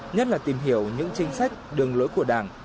nhất là tìm hiểu những chính sách đường lối của đảng